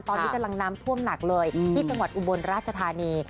ตอนนี้กำลังน้ำท่วมหนักเลยที่จังหวัดอุบลราชธานี